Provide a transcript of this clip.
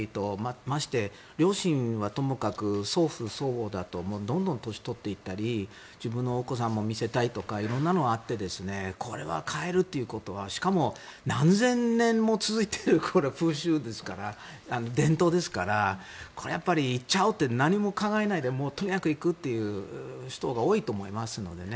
まして、両親はともかく祖父、祖母だとどんどん年を取っていったり自分のお子さんを見せたいとか色んなのがあってこれを変えるということはしかも何千年も続いている風習ですから伝統ですからこれは言っちゃおうって何も考えないでっていう人が多いと思いますね。